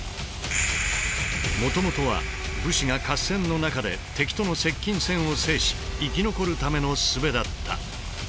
もともとは武士が合戦の中で敵との接近戦を制し生き残るための術だった。